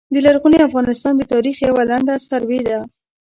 د لرغوني افغانستان د تاریخ یوع لنډه سروې ده